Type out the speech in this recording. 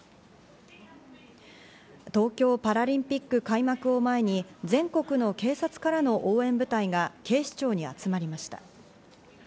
東京パラリンピック開幕を前に、全国の警察からの応援部隊が警視庁に集まりました。